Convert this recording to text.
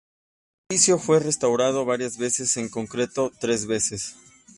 El edificio fue restaurado varias veces, en concreto tres veces.